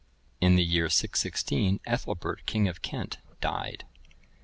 ] In the year 616, Ethelbert, king of Kent died.